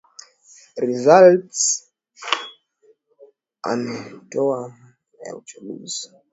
results amamatokeo ya uchaguzi